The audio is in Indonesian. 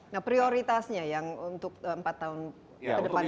nah prioritasnya yang untuk empat tahun ke depan ini